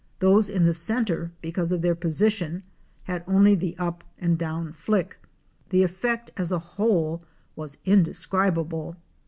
Those in the centre, because of their position, had only the up and down flick. The effect as a whole was indescribable.